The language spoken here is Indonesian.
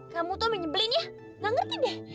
kamu tuh menyebelin ya gak ngerti deh